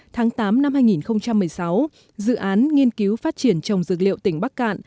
tháng tám năm hai nghìn một mươi sáu dự án nghiên cứu phát triển trồng dược liệu tỉnh bắc cạn